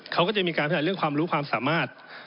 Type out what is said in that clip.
เขาก็จะมีการแถลงเรื่องความรู้ความสามารถ